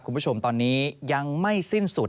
คุณผู้ชมตอนนี้ยังไม่สิ้นสุด